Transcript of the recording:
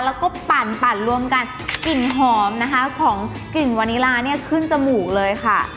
แล้วก็ปั่นปั่นรวมกันกลิ่นหอมนะคะของกลิ่นวานิลาเนี่ยขึ้นจมูกเลยค่ะ